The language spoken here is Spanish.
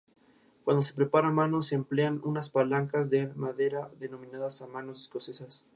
Está construido en piedra de la región y su planta es cuadrada.